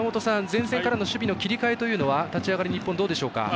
前線からの守備の切り替え立ち上がり日本どうでしょうか。